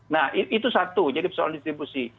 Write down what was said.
nah itu satu jadi soal distribusi